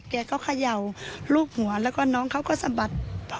แกก็เขย่าลูบหัวแล้วก็น้องเขาก็สะบัด